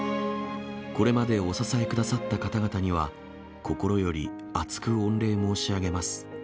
これまでお支えくださった方々には、心より厚く御礼申し上げます。